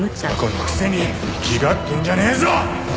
雑魚のくせに粋がってんじゃねえぞ！